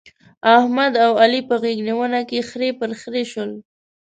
احمد او علي په غېږ نيونه کې خرې پر خرې شول.